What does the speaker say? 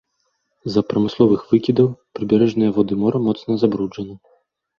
З-за прамысловых выкідаў прыбярэжныя воды мора моцна забруджаны.